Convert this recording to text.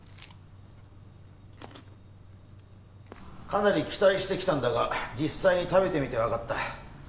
かなり期待してきたんだが実際に食べてみてわかった。